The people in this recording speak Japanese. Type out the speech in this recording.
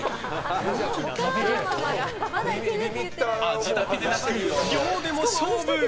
味だけでなく量でも勝負！